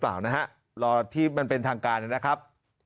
เปล่านะฮะรอที่มันเป็นทางการนะครับ